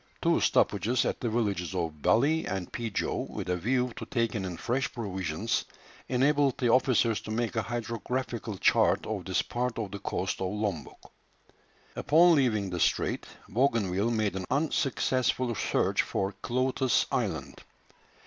Two stoppages at the villages of Baly and Peejow, with a view to taking in fresh provisions, enabled the officers to make a hydrographical chart of this part of the coast of Lombok. Upon leaving the strait, Bougainville made an unsuccessful search for Cloates Island.